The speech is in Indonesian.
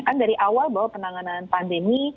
kan dari awal bahwa penanganan pandemi